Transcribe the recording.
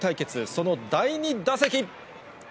その第２打席。